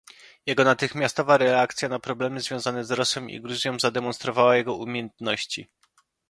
Jego natychmiastowa reakcja na problemy związane z Rosją i Gruzją zademonstrowała jego umiejętności